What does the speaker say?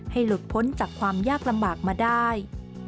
หลุดพ้นจากความยากลำบากมาได้